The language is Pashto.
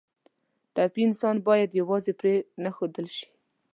ټپي انسان باید یوازې پرېنښودل شي.